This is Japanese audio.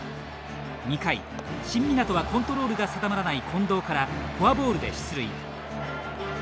２回新湊はコントロールが定まらない近藤からフォアボールで出塁。